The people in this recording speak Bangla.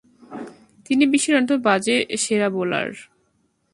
তিনি বিশ্বের অন্যতম বাজে সেরা বোলার।